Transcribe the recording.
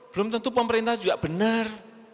belum tentu pemerintah juga benar